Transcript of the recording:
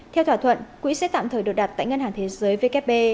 theo thỏa thuận quỹ sẽ tạm thời được đặt tại ngân hàng thế giới vkp